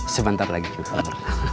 sebentar lagi juhur